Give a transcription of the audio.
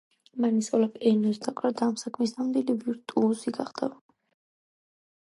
მან ისწავლა პიანინოზე დაკვრა და ამ საქმის ნამდვილი ვირტუოზი გახდა.